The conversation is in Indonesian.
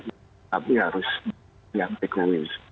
tapi harus yang tekoin